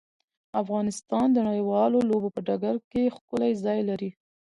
افغانستان د نړیوالو لوبو په ډګر کې ښکلی ځای لري.